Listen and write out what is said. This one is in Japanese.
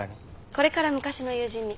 これから昔の友人に。